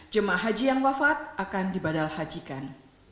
jemaah haji yang wafat akan dibadanakan